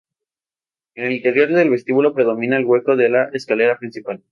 En el interior del vestíbulo predomina el hueco de la escalera principal.